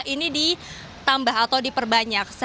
ini ditambah atau diperbanyak